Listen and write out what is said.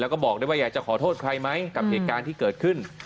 แล้วก็บอกได้ว่าอยากจะขอโทษใครไหมกับเหตุการณ์ที่เกิดขึ้น